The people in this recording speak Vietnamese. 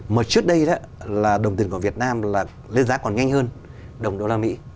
mà trước đây là đồng tiền của việt nam là lên giá còn nhanh hơn đồng đô la mỹ